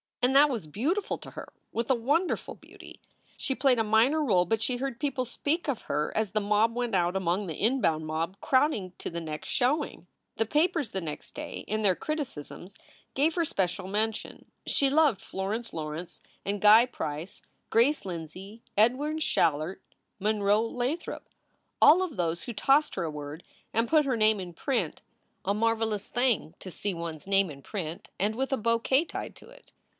And that was beautiful to her with a wonderful beauty. She played a minor role, but she heard people speak of her as the mob went out among the inbound mob crowding to the next showing. The papers the next day in their criticisms gave her special 336 SOULS FOR SALE mention. She loved Florence Lawrence, and Guy Price, Grace Lindsey, Edwin Schallert, Monroe Lathrop all of those who tossed her a word and put her name in print. A marvelous thing to see one s name in print and with a bouquet tied to it.